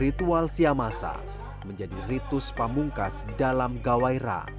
ritual siamasa menjadi ritus pamungkas dalam gawairah